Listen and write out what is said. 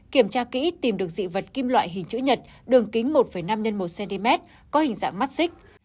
kiểm tra kỹ tìm được dị vật kim loại hình chữ nhật đường kính một năm x một cm có hình dạng mắt xích